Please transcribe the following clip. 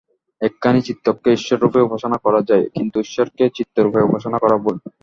একখানি চিত্রকে ঈশ্বররূপে উপাসনা করা যায়, কিন্ত ঈশ্বরকে চিত্ররূপে উপাসনা করা ভুল।